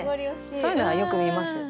そういうのはよく見ますよ。